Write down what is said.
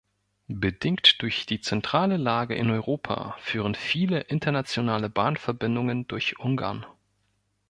Bedingt durch die zentrale Lage in Europa führen viele internationale Bahnverbindungen durch Ungarn.